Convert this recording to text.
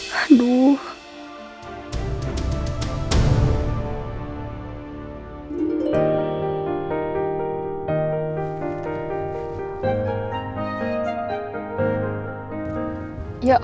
sini ngomong sama kein kebaikan